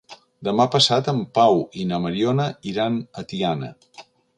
Demà passat en Pau i na Mariona iran a Tiana.